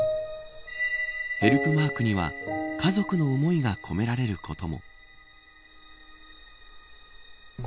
ヘルプマークには家族の思いが込められていることも。